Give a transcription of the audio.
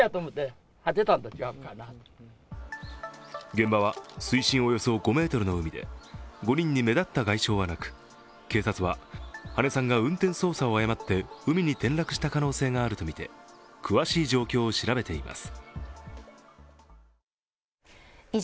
現場は水深およそ５ｍの海で、５人に目立った外傷はなく、警察は羽根さんが運転操作を誤って海に転落した可能性があるとみて詳しい状況を調べています。